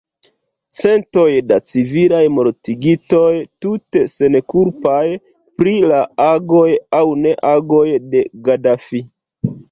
Centoj da civilaj mortigitoj, tute senkulpaj pri la agoj aŭ neagoj de Gadafi.